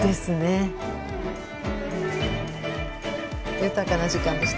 豊かな時間でした。